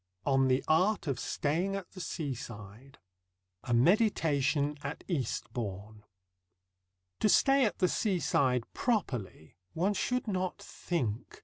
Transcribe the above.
ON THE ART OF STAYING AT THE SEASIDE A MEDITATION AT EASTBOURNE To stay at the seaside properly, one should not think.